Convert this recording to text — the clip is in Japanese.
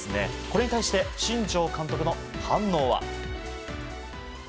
これに対して新庄監督の反応は。